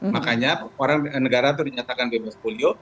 makanya orang negara ternyatakan virus polio